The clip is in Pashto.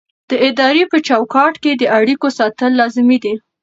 د ادارې په چوکاټ کې د اړیکو ساتل لازمي دي.